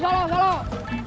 salah salah salah